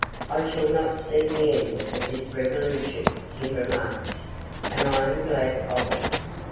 'I shall not see the end of this revolution,' he remarks, 'and I am glad of it.'